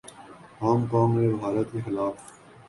Hong Kong نے بھارت کے خلاف تاریخ رقم کردی